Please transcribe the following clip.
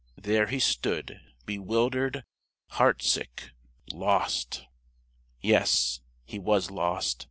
There he stood, bewildered, heartsick lost! Yes, he was lost.